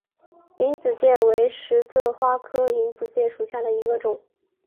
隐子芥为十字花科隐子芥属下的一个种。